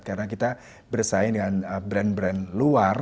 karena kita bersaing dengan brand brand luar